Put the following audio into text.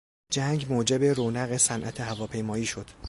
جنگ موجب رونق صنعت هواپیمایی شد.